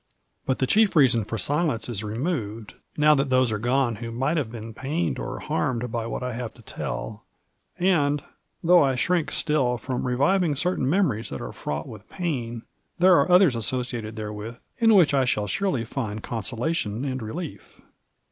But the chief reason for silence is removed, now that those are gone who might have been pained or harmed by what I have to tell, and, though I shrink still from reviving certain memories that are fraught with pain, there are others associated there with in which I shall surely find consolation and relief.